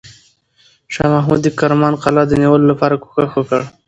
شاه محمود د کرمان قلعه د نیولو لپاره کوښښ وکړ.